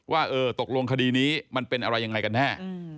ว่าเออตกลงคดีนี้มันเป็นอะไรยังไงกันแน่